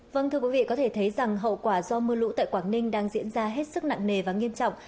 vâng thưa quý vị có thể thấy rằng hậu quả do mưa lũ tại quảng ninh đang diễn ra hết sức nặng nề và nghiêm trọng